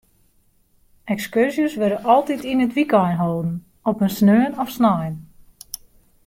Ekskurzjes wurde altyd yn it wykein holden, op in sneon of snein.